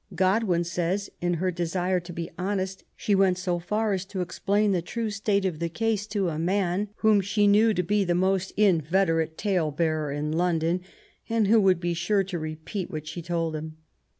Godwin says in her desire to be honest she went so far as to explain the true state of the case to a man BETB08PEGTIVE. 167 M^hom she knew to be the most inveterate tale bearer in London, and who would be sure to repeat what she told him.